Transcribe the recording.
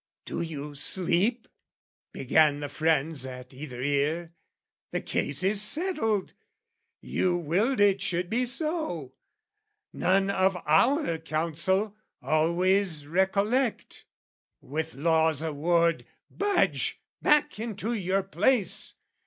"Do you sleep?" began the friends at either ear, "The case is settled, you willed it should be so "None of our counsel, always recollect! "With law's award, budge! Back into your place!